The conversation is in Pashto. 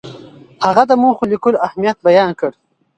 هغه د موخو لیکلو اهمیت بیان کړ.